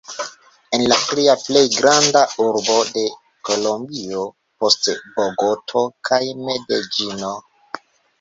En la tria plej granda urbo de Kolombio, post Bogoto kaj Medeĝino.